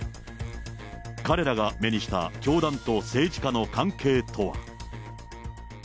彼らが目にした教団と政治家の関係とは。